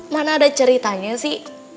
mana ada ceritanya sih